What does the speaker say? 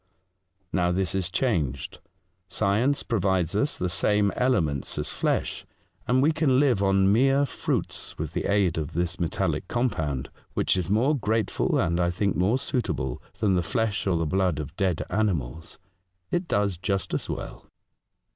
Now this is changed. Science pro vides us the same elements as flesh, and we can live on mere fruits with the aid of this metallic compound, which is more grateful, and I think more suitable, than the flesh or the blood of dead animals. It does just as well."